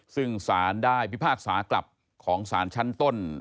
ซึ่งสารได้พิพากษากลับของสารชั้นต้น